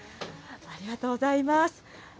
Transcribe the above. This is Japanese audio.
ありがとうございます。